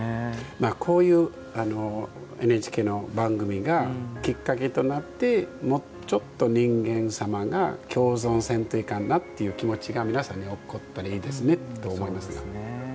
こういうＮＨＫの番組がきっかけとなってもうちょっと人間様が共存せんといかんなという気持ちが皆さんに起こったらいいと思いますね。